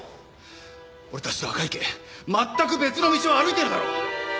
俺たちと赤池全く別の道を歩いてるだろ！